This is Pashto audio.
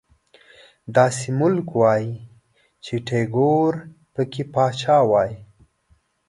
داسې ملک وای چې ټيګور پکې پاچا وای